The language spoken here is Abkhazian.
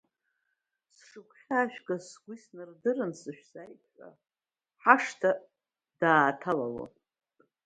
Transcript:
Сшықәхьаажәгаз сгәы иснардырын сышәзааит ҳәа ҳашҭа дааҭалалон.